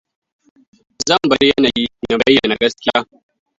Zan bar yanayi na ya bayyana gaskiya.